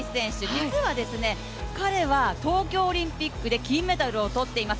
実は、彼は東京オリンピックで金メダルを取っています。